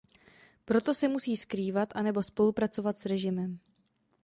Proto se musí skrývat a nebo spolupracovat s režimem.